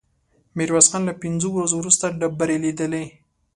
ميرويس خان له پنځو ورځو وروسته ډبرې ليدلې.